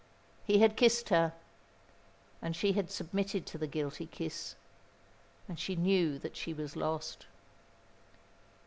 He had kissed her, and she had submitted to the guilty kiss, and she knew that she was lost.